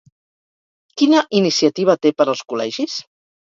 Quina iniciativa té per als col·legis?